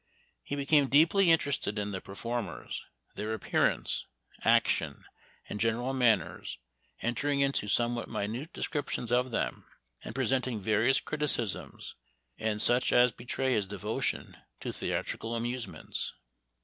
He became deeply in terested in the performers, their appearance, action, and general manners, entering into somewhat minute descriptions of them, and presenting various criticisms, and such as be tray his devotion to theatrical amusements.